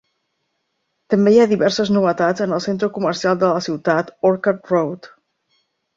També hi ha diverses novetats en el centre comercial de la ciutat, Orchard Road.